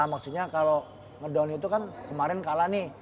maksudnya kalau ngedown itu kan kemarin kalah nih